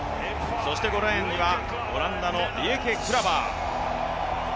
そして５レーンにはオランダのリエケ・クラバー。